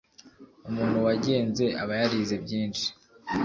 umuntu wagenze aba yarize byinshi